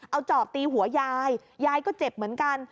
เอาจอบตีหัวยายยายก็เจ็บเหมือนกัน